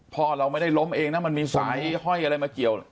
เราไม่ได้ล้มเองนะมันมีสายห้อยอะไรมาเกี่ยว